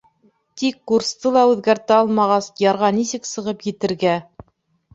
Тик курсты ла үҙгәртә алмағас, ярға нисек сығып етергә?